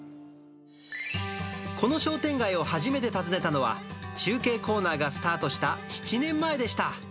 この商店街を初めて訪ねたのは、中継コーナーがスタートした７年前でした。